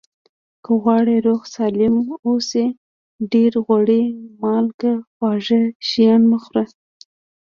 که غواړئ روغ سالم اوسئ ډېر غوړي مالګه خواږه شیان مه خوری